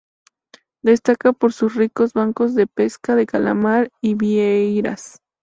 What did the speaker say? Destaca por sus ricos bancos de pesca de calamar y vieiras.